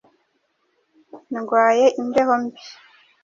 Ndwaye imbeho mbi